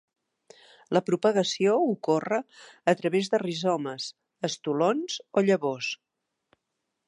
La propagació ocorre a través de rizomes, estolons o llavors.